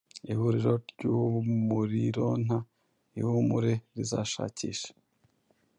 Ihuriro ryumurironta ihumure rizashakisha